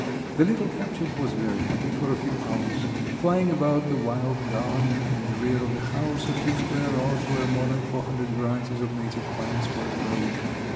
The little captive was very happy for a few hours, flying about the "wild garden" in the rear of the house a few square rods where more than 400 varieties of native plants were growing.